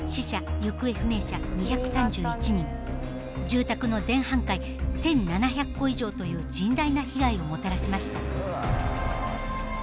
住宅の全半壊１，７００戸以上という甚大な被害をもたらしました。